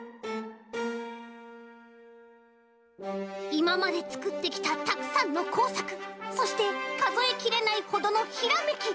いままでつくってきたたくさんのこうさくそしてかぞえきれないほどのひらめき。